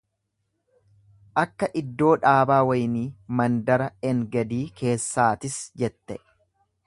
akka iddoo dhaabaa waynii mandara En-Gedii keessaatis jette.